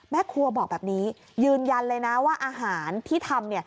แม่ครัวบอกแบบนี้ยืนยันเลยนะว่าอาหารที่ทำ